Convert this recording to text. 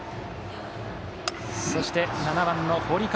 そして７番の有川。